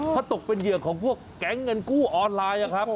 ถ้าตกเป็นเหยื่อของพวกแก๊งเงินกู้ออนไลน์ครับ